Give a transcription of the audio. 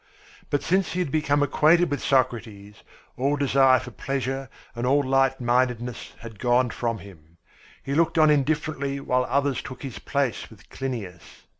But since he had become acquainted with Socrates, all desire for pleasure and all light mindedness had gone from him. He looked on indifferently while others took his place with Clinias.